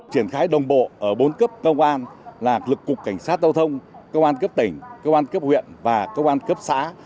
triển khai đồng bộ ở bốn cấp cơ quan là lực cục cảnh sát giao thông cơ quan cấp tỉnh cơ quan cấp huyện và cơ quan cấp xã